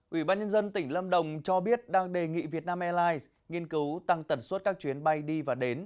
ủy ban nhân dân tỉnh lâm đồng cho biết đang đề nghị vietnam airlines nghiên cứu tăng tần suất các chuyến bay đi và đến